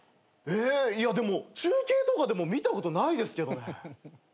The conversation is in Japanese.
えいやでも中継とかでも見たことないですけどね。